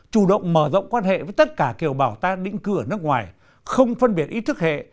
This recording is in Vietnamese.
chủ động mở rộng quan hệ với tất cả kiều bào ta định cư ở nước ngoài không phân biệt ý thức hệ